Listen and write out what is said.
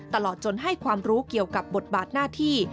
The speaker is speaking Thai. ตลอดจนให้ความรู้เกี่ยวกับบทบาทหน้าที่